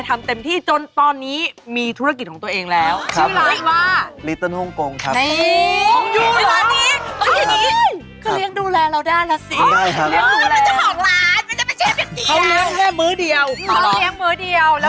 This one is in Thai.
อะไรที่มันเด็ดสุดอ่ะ